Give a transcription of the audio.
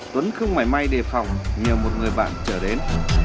tuấn không mảy may đề phòng nhờ một người bạn trở đến